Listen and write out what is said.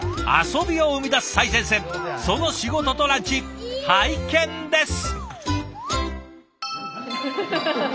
遊びを生み出す最前線その仕事とランチ拝見です。